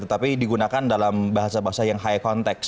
tetapi digunakan dalam bahasa bahasa yang high context